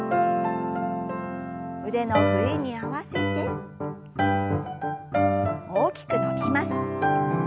腕の振りに合わせて大きく伸びます。